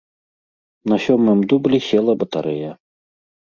На сёмым дублі села батарэя.